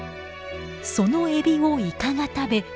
そのエビをイカが食べ